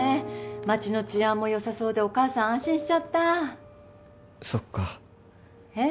街の治安もよさそうでお母さん安心しちゃったそっかえっ？